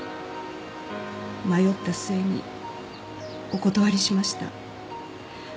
迷った末にお断りしました。